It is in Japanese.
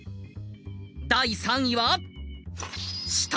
第３位は。